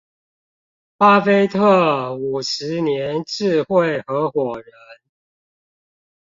巴菲特五十年智慧合夥人